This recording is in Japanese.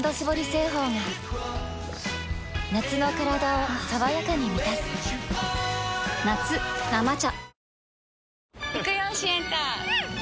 製法が夏のカラダを爽やかに満たす夏「生茶」